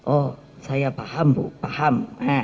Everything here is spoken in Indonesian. oh saya paham bu paham